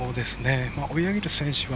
追い上げる選手が。